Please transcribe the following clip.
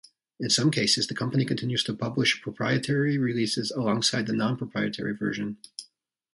In some cases, the company continues to publish proprietary releases alongside the non-proprietary version.